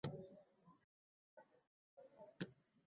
Velosipedda qanday uchish o'rgating.